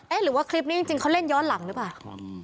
หรือว่าคลิปนี้จริงเขาเล่นย้อนหลังหรือเปล่า